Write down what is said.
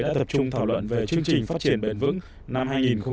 đã tập trung thảo luận về chương trình phát triển bền vững năm hai nghìn hai mươi